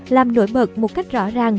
làm nổi bật một cách rõ ràng